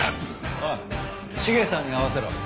おい茂さんに会わせろ。